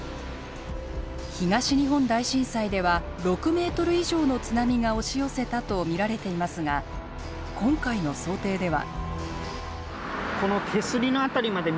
東日本大震災では６ｍ以上の津波が押し寄せたと見られていますが今回の想定では。